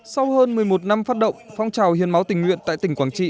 sau hơn một mươi một năm phát động phong trào hiến máu tình nguyện tại tỉnh quảng trị